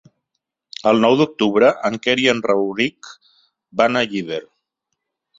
El nou d'octubre en Quer i en Rauric van a Llíber.